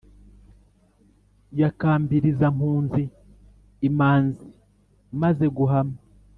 Ya Kambilizampunzi, imanzi maze guhama